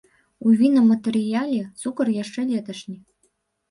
У вінаматэрыяле цукар яшчэ леташні.